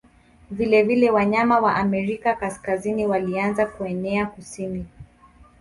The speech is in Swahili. Vilevile wanyama wa Amerika Kaskazini walianza kuenea kusini.